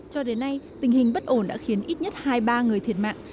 cho đến nay tình hình bất ổn đã khiến ít nhất hai mươi ba người thiệt mạng